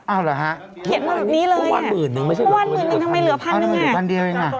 อ้าวเหรอฮะเขียนมาแบบนี้เลยอ่ะเพราะว่า๑๐๐๐บาททำไมเหลือ๑๐๐๐บาทนึงอ่ะ